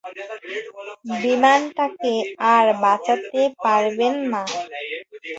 বিমানটাকে আর বাঁচাতে পারবে না।